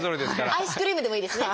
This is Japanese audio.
アイスクリームでもいいですね。